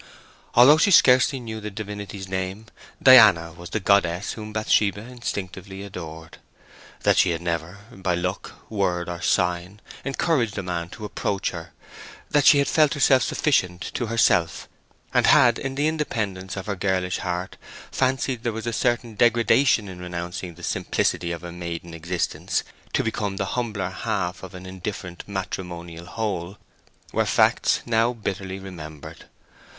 Although she scarcely knew the divinity's name, Diana was the goddess whom Bathsheba instinctively adored. That she had never, by look, word, or sign, encouraged a man to approach her—that she had felt herself sufficient to herself, and had in the independence of her girlish heart fancied there was a certain degradation in renouncing the simplicity of a maiden existence to become the humbler half of an indifferent matrimonial whole—were facts now bitterly remembered.